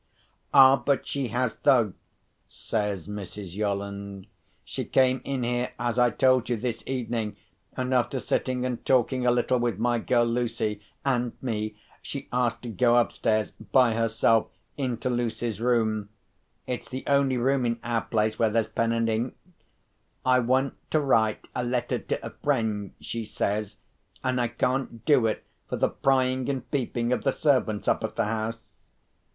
"Ah, but she has though!" says Mrs. Yolland. "She came in here, as I told you, this evening; and, after sitting and talking a little with my girl Lucy and me she asked to go upstairs by herself, into Lucy's room. It's the only room in our place where there's pen and ink. 'I want to write a letter to a friend,' she says 'and I can't do it for the prying and peeping of the servants up at the house.